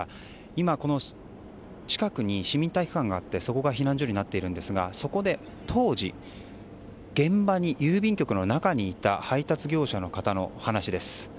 今この近くに市民体育館があってそこが避難所になっていますがそこで当時、現場に郵便局の中にいた配達業者の方のお話です。